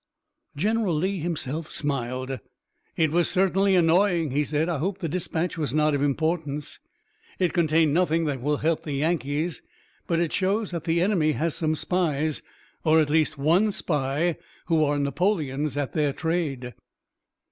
General Lee himself smiled. "It was certainly annoying," he said. "I hope the dispatch was not of importance." "It contained nothing that will help the Yankees, but it shows that the enemy has some spies or at least one spy who are Napoleons at their trade."